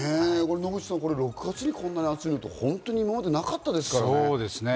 野口さん、６月にこんなに暑い、こんなこと今までなかったですからね。